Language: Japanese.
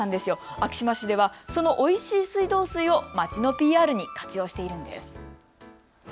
昭島市では、そのおいしい水道水を町のＰＲに活用しているんです。